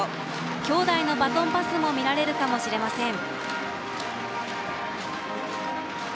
兄弟のバトンパスも見られるかもしれません。